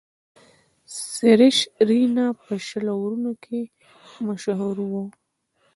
سریش رینا په شل آورونو کښي مشهور وو.